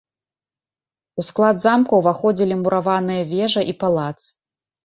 У склад замка ўваходзілі мураваныя вежа і палац.